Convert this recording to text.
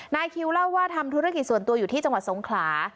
นายคิวเล่าว่าทำธุรกิจส่วนตัวอยู่ที่จังหวัดสงขลา